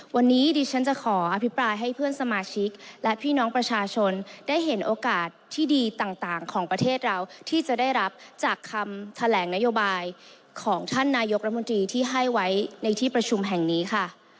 วันนี้ดิฉันจะขออภิปรายให้เพื่อนสมาชิกและพี่น้องประชาชนได้เห็นโอกาสที่ดีต่างของประเทศเราที่จะได้รับจากคำแถลงนโยบายของท่านนายกรัฐมนตรีที่ให้ไว้ในที่ประชุมแห่งนี้ค่ะ